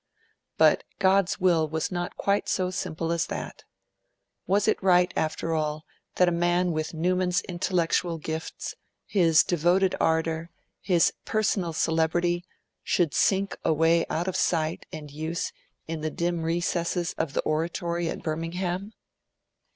But God's will was not quite so simple as that. Was it right, after all, that a man with Newman's intellectual gifts, his devoted ardour, his personal celebrity, should sink away out of sight and use in the dim recesses of the Oratory at Birmingham?